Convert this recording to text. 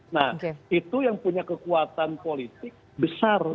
nah itu yang punya kekuatan politik besar